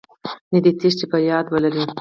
نه دې تېښتې.په ياد ولرئ